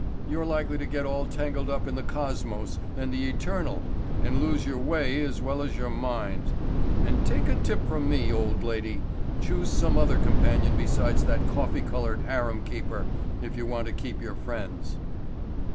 You're likely to get all tangled up in the cosmos and the eternal and lose your way as well as your mind. And take a tip from me, old lady. Choose some other companion besides that coffee colored harem keeper if you want to keep your friends."